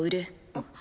あっ。